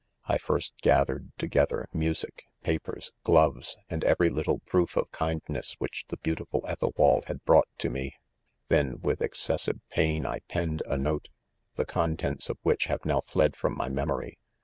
6 1 first gathered together music, papers, gloves, and every little proof of kindness which. the beautiful Ethelwald had brought to me. —■ Then with excessive pain 1 penned a note, the contents of which have now fled from my mem ory